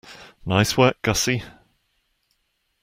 Nice work, Gussie.